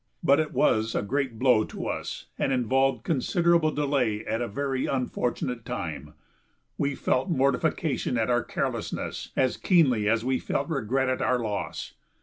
But it was a great blow to us and involved considerable delay at a very unfortunate time. We felt mortification at our carelessness as keenly as we felt regret at our loss.